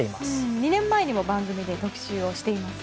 ２年前にも番組で特集をしていますね。